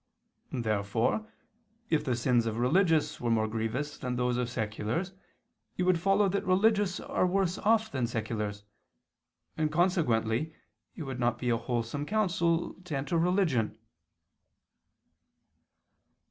Therefore if the sins of religious were more grievous than those of seculars it would follow that religious are worse off than seculars: and consequently it would not be a wholesome counsel to enter religion.